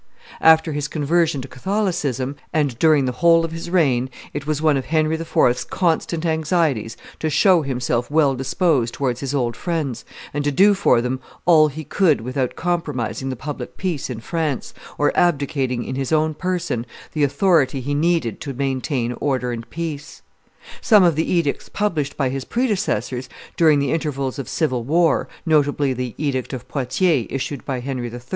After his conversion to Catholicism, and during the whole of his reign, it was one of Henry IV.'s constant anxieties to show himself well disposed towards his old friends, and to do for them all he could do without compromising the public peace in France, or abdicating in his own person the authority he needed to maintain order and peace. Some of the edicts published by his predecessors during the intervals of civil war, notably the edict of Poitiers issued by Henry III.